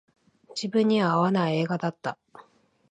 自分には合わない映画だった